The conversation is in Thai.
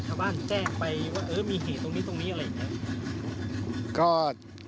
ถ้าบ้านแจ้งไปว่ามีเหตุตรงนี้ตรงนี้อะไรอย่างนี้